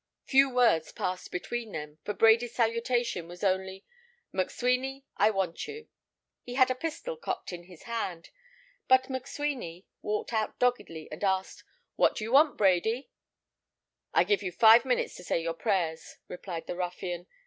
Few words passed between them, for Brady's salutation was only 'McSweeny, I want you.' He had a pistol cocked in his hand, but McSweeny walked out doggedly and asked, 'What do you want, Brady?' 'I give you five minutes to say your prayers,' replied the ruffian.